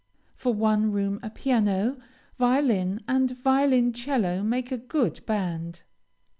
For one room a piano, violin, and violoncello makes a good band.